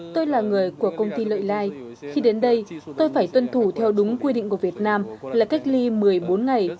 tôi là người của công ty lợi lai khi đến đây tôi phải tuân thủ theo đúng quy định của việt nam là cách ly một mươi bốn ngày